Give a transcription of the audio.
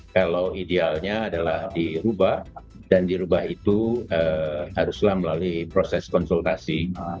kalau idealnya adalah dirubah dan dirubah itu haruslah melalui proses konsultasi